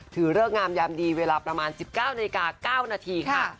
ถือเริ่มงามยามดีเวลาประมาณ๑๙นาที๙นาทีค่ะ